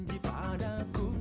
bisa aku cek